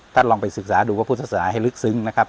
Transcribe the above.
ลองไปศึกษาดูพระพุทธศาสนาให้ลึกซึ้งนะครับ